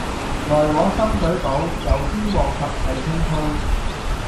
來往深水埗、油尖旺及葵青區。